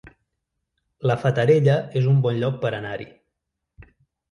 La Fatarella es un bon lloc per anar-hi